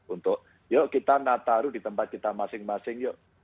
untuk yuk kita nataru di tempat kita masing masing yuk